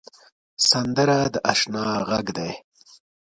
سندره د اشنا غږ دی